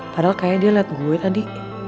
padahal kayaknya dia liat gue tadi